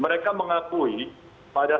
mereka mengakui pada